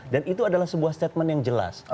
dan itu adalah sebuah statement yang jelas